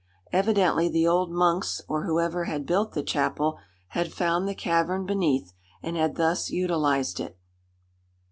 Evidently the old monks or whoever had built the chapel, had found the cavern beneath and had thus utilized it.